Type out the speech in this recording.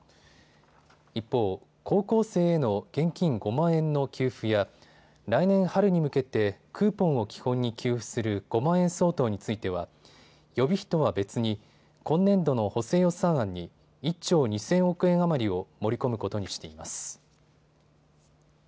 一方、高校生への現金５万円の給付や来年春に向けてクーポンを基本に給付する５万円相当については予備費とは別に今年度の補正予算案に１兆２０００億円余りを盛り込むことにしています。